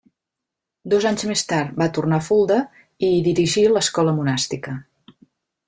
Dos anys més tard va tornar a Fulda i hi dirigí l'escola monàstica.